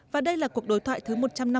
và đây là cuộc đối thoại thứ một trăm năm mươi